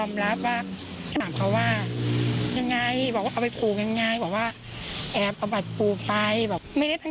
มานั่งดูว่าอะไรบ้างอะไรบ้าง